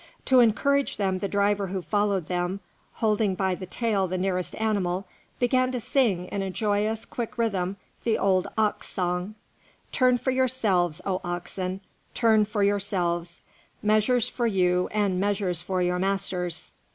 To encourage them, the driver who followed them, holding by the tail the nearest animal, began to sing in a joyous, quick rhythm the old ox song: "Turn for yourselves, O oxen, turn for yourselves; measures for you, and measures for your masters."